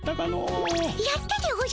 やったでおじゃる。